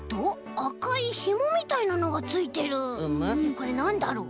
これなんだろう？